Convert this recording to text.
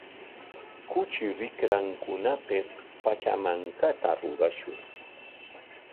Kuchi rikrankunapik pachamankata rurashun.